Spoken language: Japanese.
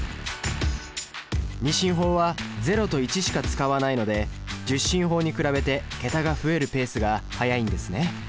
２進法は０と１しか使わないので１０進法に比べて桁が増えるペースが速いんですね